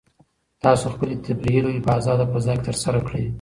تاسو خپلې تفریحي لوبې په ازاده فضا کې ترسره کړئ.